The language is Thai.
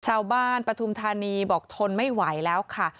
ชาวบ้านปฐุมธานีบอกทนไม่ไหวแล้วค่ะ